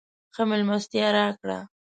ښه مېلمستیا راکړه.